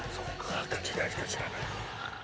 赤時代しか知らないのよ。